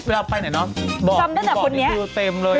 เวลาไปไหนบอบนี้คือเต็มเลย